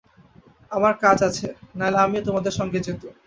আমার কাজ আছে, নইলে আমিও তোমাদের সঙ্গে যেতুম।